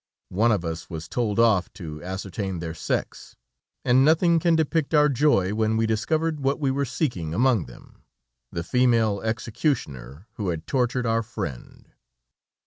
One of us was told off to ascertain their sex, and nothing can depict our joy when we discovered what we were seeking among them, the female executioner who had tortured our friend.